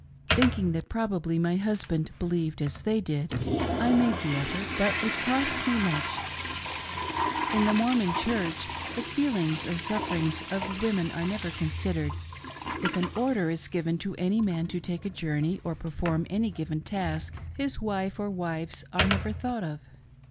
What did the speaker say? Thinking that probably my husband believed as they did, I made the effort, but it cost me much. In the Mormon Church the feelings or sufferings of women are never considered. If an order is given to any man to take a journey or perform any given task, his wife or wives are never thought of.